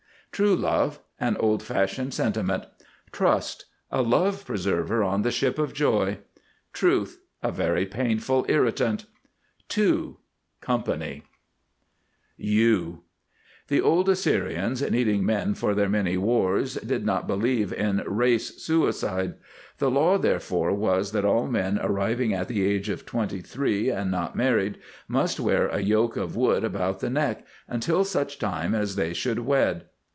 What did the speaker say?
TRUE LOVE. An old fashioned sentiment. TRUST. A love preserver on the Ship of Joy. TRUTH. A very painful irritant. TWO. Company. [Illustration: TYPE FOUND FRIVOLLING ON THE STAIRS AND IN CONSERVATORIES] U [Illustration: U] The old Assyrians, needing men for their many wars, did not believe in Race Suicide. The law therefore was that all men arriving at the age of twenty three and not married must wear a yoke of wood about the neck until such time as they should wed.